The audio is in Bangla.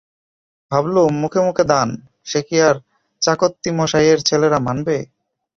ভাবলুম মুখে মুখে দান, সে কি আর চাকত্তি মশাই-এর ছেলেরা মানবে?